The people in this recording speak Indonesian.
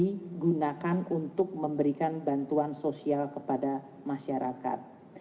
digunakan untuk memberikan bantuan sosial kepada masyarakat